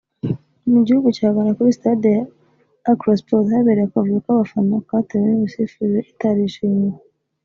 Mu gihugu cya Ghana kuri stade ya Accra Sports habereye akavuyo k’abafana katewe n’imisifurire itarishimiwe